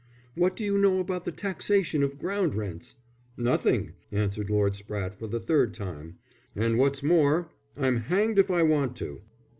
"What do you know about the Taxation of Ground Rents?" "Nothing!" answered Lord Spratte for the third time. "And what's more, I'm hanged if I want to."